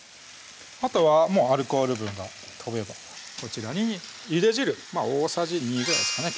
あとはもうアルコール分が飛べばこちらにゆで汁大さじ２ぐらいですかね